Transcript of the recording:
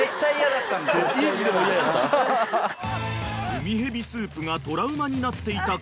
［ウミヘビスープがトラウマになっていた海人］